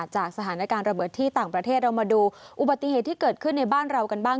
จากสถานการณ์ระเบิดที่ต่างประเทศเรามาดูอุบัติเหตุที่เกิดขึ้นในบ้านเรากันบ้าง